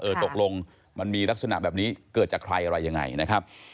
ตกลงมันมีลักษณะแบบนี้เกิดจากใครอะไรยังไงนะครับ